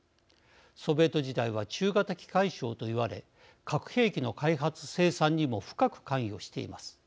ソビエト時代は中型機械省といわれ核兵器の開発、生産にも深く関与しています。